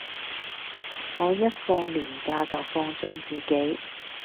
我一放連假就放縱自己